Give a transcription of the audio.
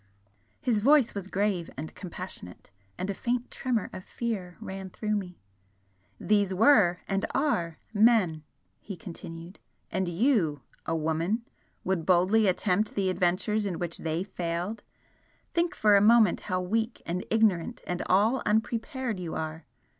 His voice was grave and compassionate, and a faint tremor of fear ran through me. "These were and are MEN!" he continued "And you a woman would boldly attempt the adventures in which they failed! Think for a moment how weak and ignorant and all unprepared you are!